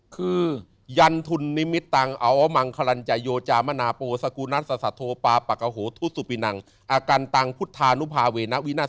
คือ